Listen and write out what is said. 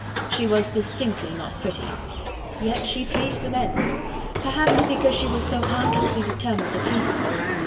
she was distinctly not pretty. Yet she pleased the men! Perhaps because she was so artlessly determined to please them.